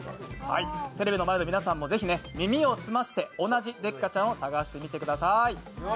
テレビの前の皆さんも耳を澄ませて同じデッカチャンを探してみてください。